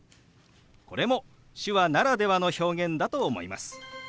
これも手話ならではの表現だと思います。